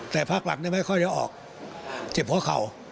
แต่ภาคหลักไม่ค่อยจะออกเจ็บเพราะเขา